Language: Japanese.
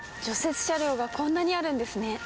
雪車両がこんなにあるんですね。